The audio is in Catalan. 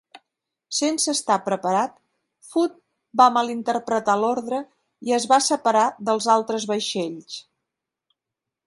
Sense estar preparat, "Foote" va malinterpretar l'ordre i es va separar dels altres vaixells.